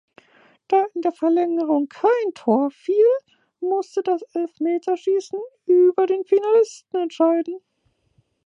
Da in der Verlängerung kein Tor fiel, musste das Elfmeterschießen über den Finalisten entscheiden.